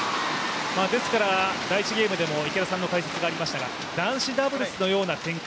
ですから、第１ゲームでも池田さんの解説がありましたが男子ダブルスのような展開